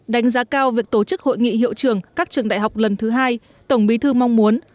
đánh giá cao việc tổ chức hội nghị hiệu trường các trường đại học lần thứ hai tổng bí thư mong muốn